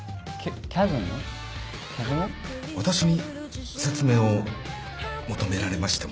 私に説明を求められましても。